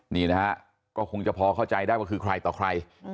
นี่นะฮะก็คงจะพอเข้าใจได้ว่าคือใครต่อใคร